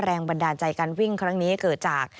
แรงบันดาลใจการวิ่งครั้งนี้เกิดจาก